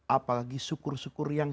apalagi syukur syukur yang